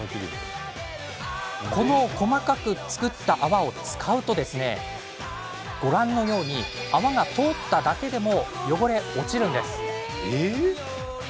この細かく作った泡を使うとご覧のように泡が通っただけでも汚れが落ちていくんです。